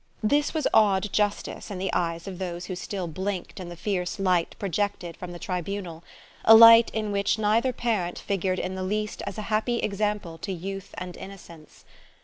This was odd justice in the eyes of those who still blinked in the fierce light projected from the tribunal a light in which neither parent figured in the least as a happy example to youth and innocence.